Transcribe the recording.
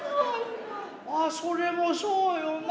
アアそれもそうよな。